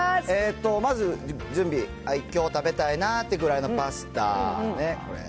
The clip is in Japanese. まず準備、きょう食べたいなっていうぐらいのパスタね、これ。